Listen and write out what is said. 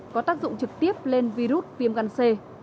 có tác dụng trực tiếp lên virus viêm gan c